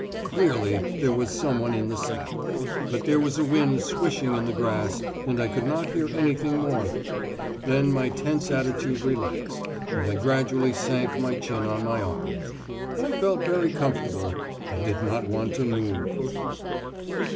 Clearly there was someone in the sap. But there was a wind swishing in the grass, and I could not hear anything more. Then my tense attitude relaxed, and I gradually sank my chin on my arm. I felt very comfortable. I did not want to move....